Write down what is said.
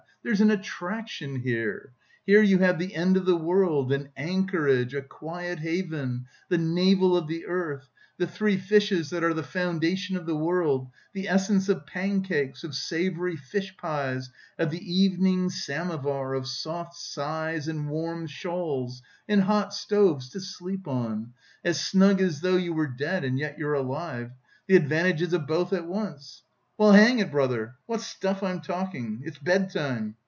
There's an attraction here here you have the end of the world, an anchorage, a quiet haven, the navel of the earth, the three fishes that are the foundation of the world, the essence of pancakes, of savoury fish pies, of the evening samovar, of soft sighs and warm shawls, and hot stoves to sleep on as snug as though you were dead, and yet you're alive the advantages of both at once! Well, hang it, brother, what stuff I'm talking, it's bedtime!